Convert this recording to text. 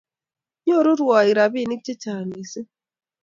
Nyoru rwoik ropinik che chang mising